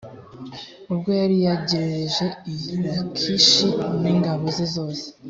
ubwo yari yagerereje i lakishi n ingabo ze zose